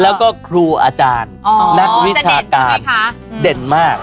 แล้วก็ครูอาจารย์นักวิชาการเด่นมาก